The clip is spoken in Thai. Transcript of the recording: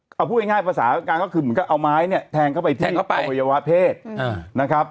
เอาผู้ง่ายภาษาการก็คือเอาไม้เนี่ยแทงเข้าไปที่อพยาวะเพศนะครับ